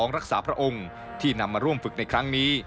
รักษาพระองค์ที่นำมาร่วมฝึกในครั้งนี้